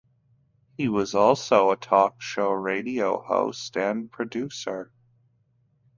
He was also a talk show radio host and producer.